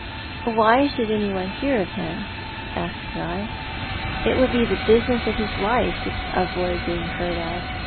" Why should anyone hear of him ?" asked I. " It would be the business of his life to avoid being heard of.